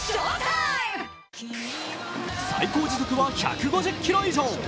最高時速は１５０キロ以上。